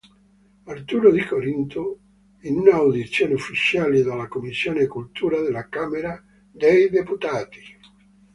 Arturo Di Corinto in una audizione ufficiale dalla commissione cultura della Camera dei deputati.